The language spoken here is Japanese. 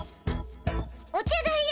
お茶だよ。